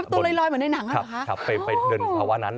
ไปเป็นตัวลอยเหมือนในหนัง